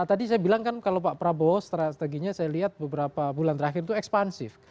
tadi saya bilang kan kalau pak prabowo strateginya saya lihat beberapa bulan terakhir itu ekspansif